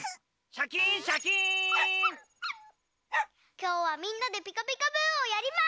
きょうはみんなで「ピカピカブ！」をやります！